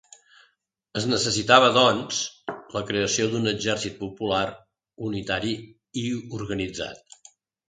Es necessitava doncs, la creació d’un exèrcit popular unitari i organitzat.